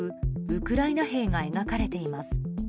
ウクライナ兵が描かれています。